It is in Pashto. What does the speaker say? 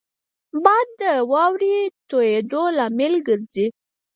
باد د واورې تویېدو لامل ګرځي